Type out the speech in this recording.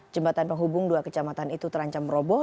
jembatan penghubung dua kecamatan itu terancam roboh